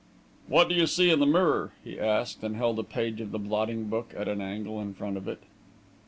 "What do you see in the mirror?" he asked, and held a page of the blotting book at an angle in front of it.